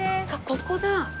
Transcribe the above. ここだ。